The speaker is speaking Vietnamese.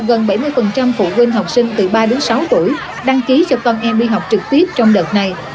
gần bảy mươi phụ huynh học sinh từ ba đến sáu tuổi đăng ký cho con em đi học trực tiếp trong đợt này